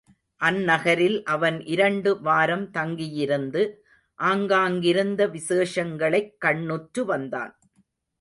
அந்நகரில் அவன் இரண்டு வாரம் தங்கியிருந்து, ஆங்காங்கிருந்த விசேஷங்களைக் கண்ணுற்று வந்தான்.